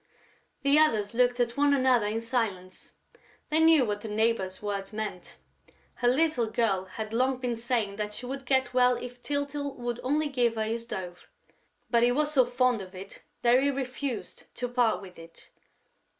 The others looked at one another in silence: they knew what the neighbor's words meant. Her little girl had long been saying that she would get well if Tyltyl would only give her his dove; but he was so fond of it that he refused to part with it....